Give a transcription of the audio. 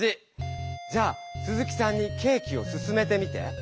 じゃあスズキさんにケーキをすすめてみて。